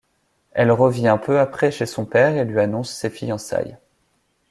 Elle revient peu après chez son père et lui annonce ses fiançailles.